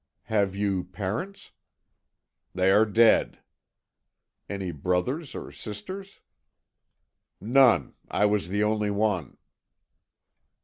"Have you parents?" "They are dead." "Any brothers or sisters?" "None. I was the only one."